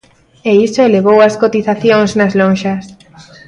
E iso elevou as cotizacións nas lonxas.